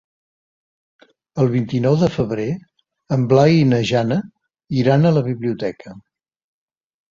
El vint-i-nou de febrer en Blai i na Jana iran a la biblioteca.